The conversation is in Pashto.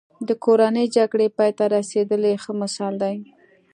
د کورنۍ جګړې پای ته رسېدل یې ښه مثال دی.